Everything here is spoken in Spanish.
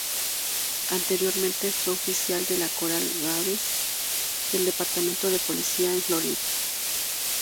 Anteriormente, fue oficial de la Coral Gables, del departamento de policía en la Florida.